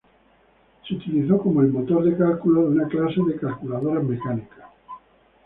Se utilizó como el motor de cálculo de una clase de calculadoras mecánicas.